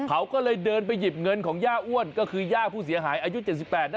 เขาก็เลยเดินไปหยิบเงินของย่าอ้วนก็คือย่าผู้เสียหายอายุ๗๘นะ